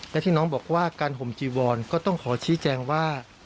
และที่น้องบอกว่าการห่มจีวอนก็ต้องขอชี้แจงว่า